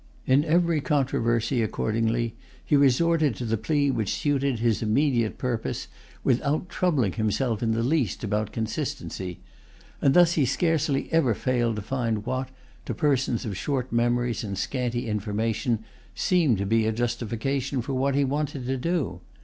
In every controversy, accordingly, he resorted to the plea which suited his immediate[Pg 182] purpose, without troubling himself in the least about consistency; and thus he scarcely ever failed to find what, to persons of short memories and scanty information, seemed to be a justification for what he wanted to do.